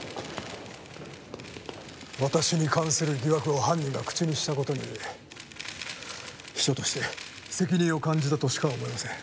私に関する疑惑を犯人が口にした事に秘書として責任を感じたとしか思えません。